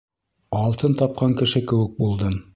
Алтын тапҡан кеше кеүек булдым.